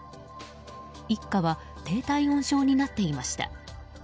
一家は低体温症になっていました。